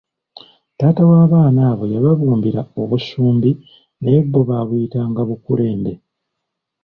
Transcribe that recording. Taata w'abaana abo yababumbira obusumbi naye bo baabuyitanga bukulembe.